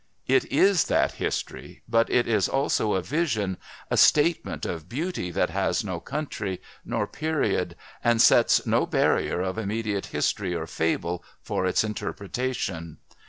It is that history, but it is also a vision, a statement of beauty that has no country, nor period, and sets no barrier of immediate history or fable for its interpretation....